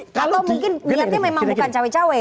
kalau mungkin niatnya memang bukan cawe cawe